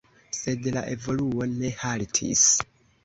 Sed la evoluo ne haltis.